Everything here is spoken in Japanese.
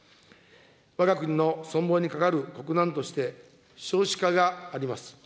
わが国の存亡に係る国難として、少子化があります。